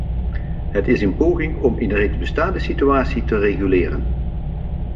Het is een poging om een reeds bestaande situatie te reguleren.